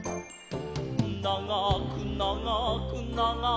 「ながくながくながく」